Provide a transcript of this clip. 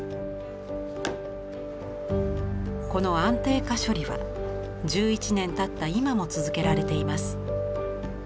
この安定化処理は１１年たった今も続けられています。